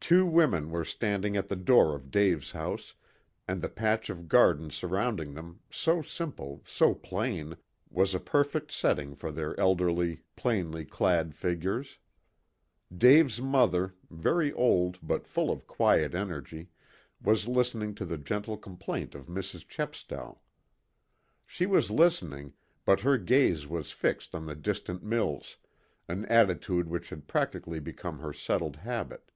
Two women were standing at the door of Dave's house, and the patch of garden surrounding them, so simple, so plain, was a perfect setting for their elderly, plainly clad figures. Dave's mother, very old, but full of quiet energy, was listening to the gentle complaint of Mrs. Chepstow. She was listening, but her gaze was fixed on the distant mills, an attitude which had practically become her settled habit.